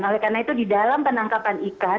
oleh karena itu di dalam penangkapan ikan